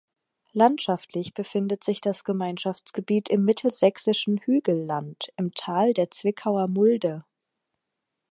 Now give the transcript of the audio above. Landschaftlich befindet sich das Gemeinschaftsgebiet im Mittelsächsischen Hügelland, im Tal der Zwickauer Mulde.